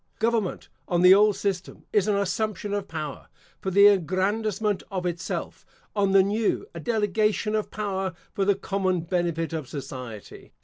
Government, on the old system, is an assumption of power, for the aggrandisement of itself; on the new, a delegation of power for the common benefit of society.